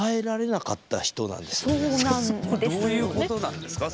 どういうことなんですか？